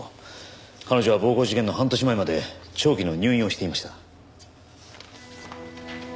彼女は暴行事件の半年前まで長期の入院をしていました。